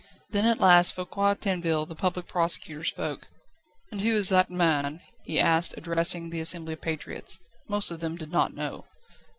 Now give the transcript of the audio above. Then at last Foucquier Tinville, the Public Prosecutor, spoke: "And who is that man?" he asked, addressing the assembly of patriots. Most of them did not know.